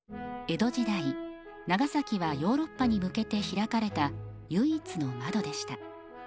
江戸時代長崎はヨーロッパに向けて開かれた唯一の窓でした。